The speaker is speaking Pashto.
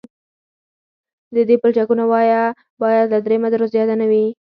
د دې پلچکونو وایه باید له درې مترو زیاته نه وي